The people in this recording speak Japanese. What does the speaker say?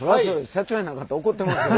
社長やなかったら怒ってますよ。